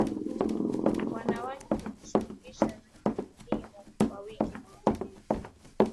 wanawake hujishughulisha na kilimo kwa wingi vijijini